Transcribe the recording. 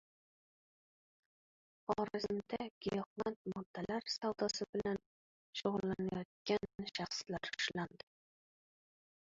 Xorazmda giyohvand moddalar savdosi bilan shug‘ullanayotgan shaxslar ushlandi